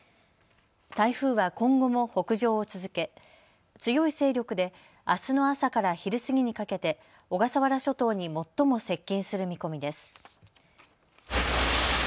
台風は今後も北上を続け強い勢力であすの朝から昼過ぎにかけて小笠原諸島に最も接近する見込みです。